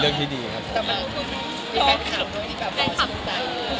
ก็จริงถึงผมไม่พูดอะไร